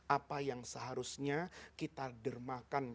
apa yang seharusnya kita dermakan